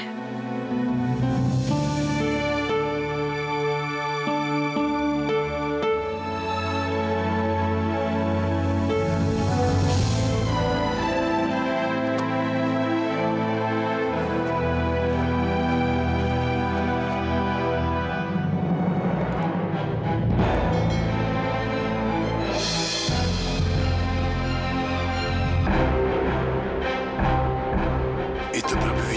sampai jumpa lagi